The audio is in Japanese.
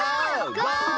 ゴー！